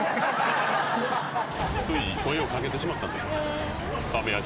つい声を掛けてしまったんだね